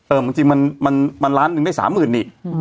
เออจริงมันล้านหนึ่งได้๓หมื่นนิ